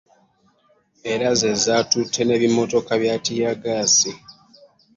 Era ze zaatutte n'ebimmotoka bya ttiyaggaasi.